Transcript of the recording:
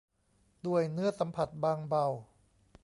ด้วยเนื้อสัมผัสบางเบา